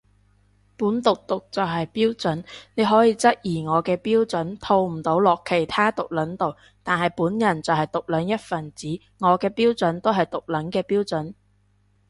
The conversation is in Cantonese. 本毒毒就係標準，你可以質疑我嘅標準套唔到落其他毒撚度，但係本人就係毒撚一份子，我嘅標準都係毒撚嘅標準